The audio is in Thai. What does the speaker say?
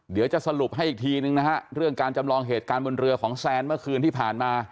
เดี๋ยวจะสรุปให้อีกทีนึงนะฮะเรื่องการจำลองเหตุการณ์บนเรือของแซนเมื่อคืนที่ผ่านมา